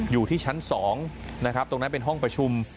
อยู่ที่ชั้น๒นะครับตรงนั้นเป็นห้องประชุม